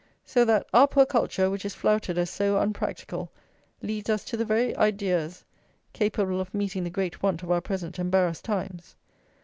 So that our poor culture, which is flouted as so unpractical, leads us to the very ideas capable of meeting the great want of our present embarrassed times!